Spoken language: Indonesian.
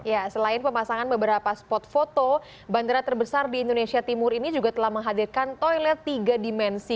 ya selain pemasangan beberapa spot foto bandara terbesar di indonesia timur ini juga telah menghadirkan toilet tiga dimensi